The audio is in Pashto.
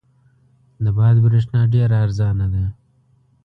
د باد برېښنا ډېره ارزانه ده.